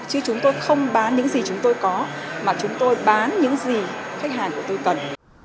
chứ chúng tôi không bán những gì chúng tôi có mà chúng tôi bán những gì khách hàng của tôi cần